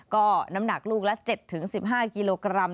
ก็น้ำหนักลูกละ๗๑๕กิโลกรัม